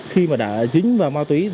khi mà đã dính vào ma tùy